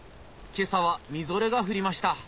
今朝はみぞれが降りました。